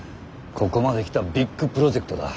ここまで来たビッグプロジェクトだ。